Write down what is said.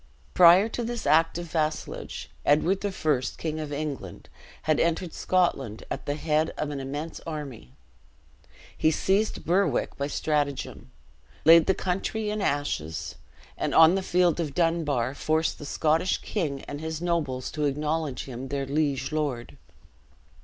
Prior to this act of vassalage, Edward I., King of England, had entered Scotland at the head of an immense army. He seized Berwick by stratagem; laid the country in ashes; and, on the field of Dunbar, forced the Scottish king and his nobles to acknowledge him their liege lord.